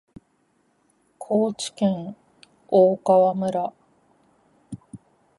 高知県大川村